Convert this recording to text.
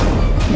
ayo kita berdua